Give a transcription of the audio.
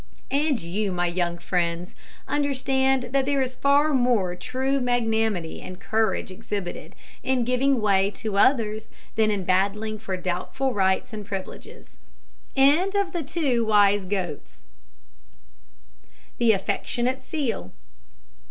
And you, my young friends, understand that there is far more true magnanimity and courage exhibited in giving way to others than in battling for doubtful rights and privileges. THE AFFECTIONATE SEAL.